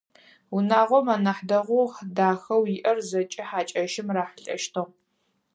Унагъом анахь дэгъоу, дахэу иӏэр зэкӏэ хьакӏэщым рахьылӏэщтыгъ.